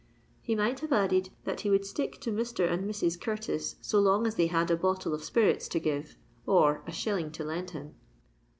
He might have added that he would stick to Mr. and Mrs. Curtis so long as they had a bottle of spirits to give, or a shilling to lend him.